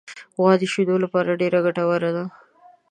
غوا د شیدو لپاره ډېره ګټوره ده.